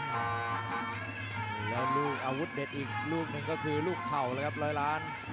แล้วลูกอาวุธเด็ดอีกลูกหนึ่งก็คือลูกเข่าเลยครับร้อยล้าน